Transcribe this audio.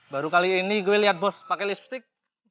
baru kali ini gue liat bosnya pake lipstick